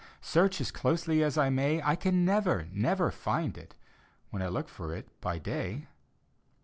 Search as closely as I may, I can never, never find it When I look for it by day!)